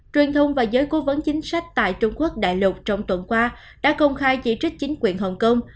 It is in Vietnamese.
truyền thông và giới cố vấn chính sách tại trung quốc đại lục trong tuần qua đã công khai chỉ trích chính quyền hồng kông